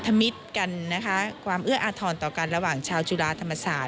มิตรกันนะคะความเอื้ออาทรต่อกันระหว่างชาวจุฬาธรรมศาสต